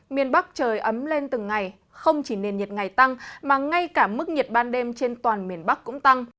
miền bắc trời ấm lên từng ngày không chỉ nền nhiệt ngày tăng mà ngay cả mức nhiệt ban đêm trên toàn miền bắc cũng tăng